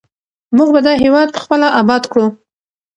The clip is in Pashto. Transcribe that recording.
موږ به دا هېواد پخپله اباد کړو.